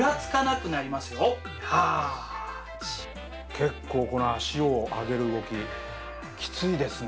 結構この足を上げる動ききついですね。